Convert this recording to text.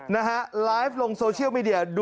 นะฮะไลฟ์ลงโซเชียลมีเดีย